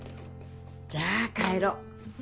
じゃあ帰ろう。